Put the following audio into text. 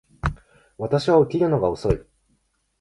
私は起きるのが遅い